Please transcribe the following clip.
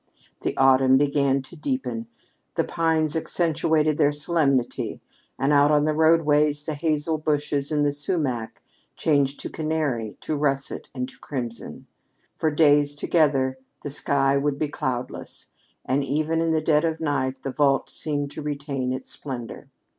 The autumn began to deepen. The pines accentuated their solemnity, and out on the roadways the hazel bushes and the sumac changed to canary, to russet, and to crimson. For days together the sky would be cloudless, and even in the dead of night the vault seemed to retain its splendor.